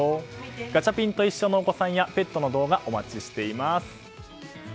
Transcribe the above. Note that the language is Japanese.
ガチャピンといっしょ！の動画やペットの動画お待ちしております。